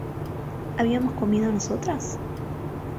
¿habíamos comido nosotras?